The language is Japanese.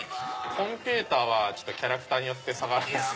コンピューターはキャラクターによって差があるんです。